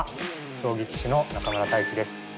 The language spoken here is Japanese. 将棋棋士の中村太地です。